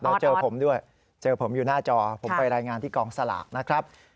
เจอผมด้วยเจอผมอยู่หน้าจอผมไปรายงานที่กองสลากนะครับ